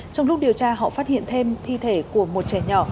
trong lúc điều tra họ phát hiện thêm thi thể của một trẻ nhỏ